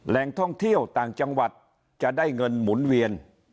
แหล่งท่องเที่ยวต่างจังหวัดจะได้เงินหมุนเวียน